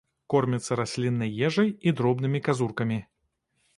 Корміцца расліннай ежай і дробнымі казуркамі.